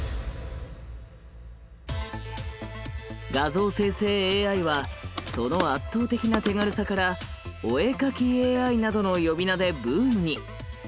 画像生成ＡＩはその圧倒的な手軽さから「お絵描きＡＩ」などの呼び名でブームに。